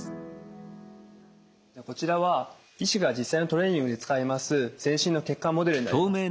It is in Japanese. こちらは医師が実際のトレーニングで使います全身の血管モデルになります。